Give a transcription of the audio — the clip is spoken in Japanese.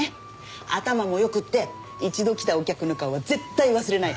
頭も良くて一度来たお客の顔は絶対忘れない。